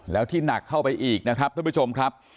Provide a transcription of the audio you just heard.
แล้วที่หนักเข้าไปอีกนะครับท่านผู้ชมครับ